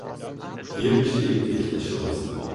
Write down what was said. Hier bestehen echte Chancen.